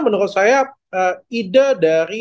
menurut saya ide dari